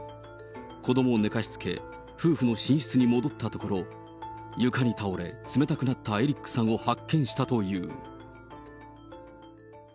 子どもを寝かしつけ、夫婦の寝室に戻ったところ、床に倒れ、冷たくなったエリックさんを発見したという。